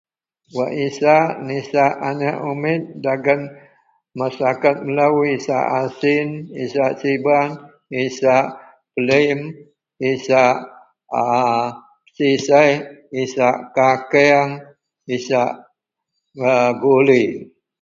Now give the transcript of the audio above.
wak isak nisak aneak umit dagen masyarakat melou isak asin, isak siban isak pelim isak a sisek, isak kakang, isak a guli